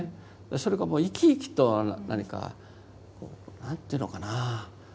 それがもう生き生きと何か何ていうのかなあ？